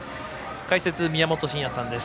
解説、宮本慎也さんです。